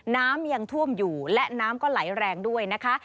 น้ำยังท่วมอยู่และน้ำก็ไหลแรงด้วยนะคะ